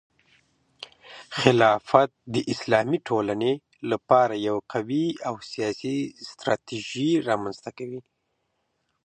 خلافت د اسلامي ټولنې لپاره یو قوي او سیاسي ستراتیژي رامنځته کوي.